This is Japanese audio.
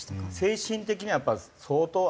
精神的にはやっぱ相当。